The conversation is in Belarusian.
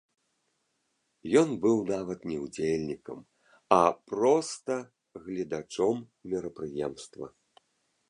Ён быў нават не удзельнікам, а проста гледачом мерапрыемства.